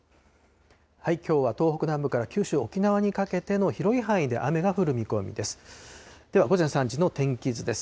きょうは東北南部から九州、沖縄にかけての広い範囲で雨が降る見込みです。